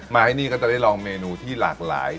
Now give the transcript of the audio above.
มาที่นี่ก็จะได้ลองเมนูที่หลากหลาย